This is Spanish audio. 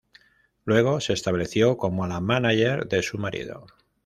Luego se estableció como la mánager de su marido.